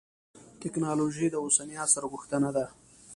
تکنالوجي د اوسني عصر غوښتنه ده.